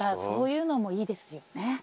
そういうのもいいですよね。